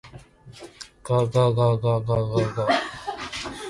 ががががががが。